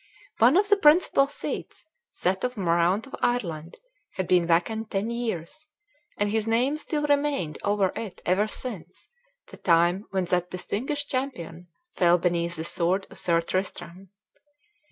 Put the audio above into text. One of the principal seats, that of Moraunt of Ireland, had been vacant ten years, and his name still remained over it ever since the time when that distinguished champion fell beneath the sword of Sir Tristram.